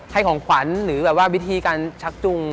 ให้ของขวัญหรือแบบว่าวิธีการชักจุง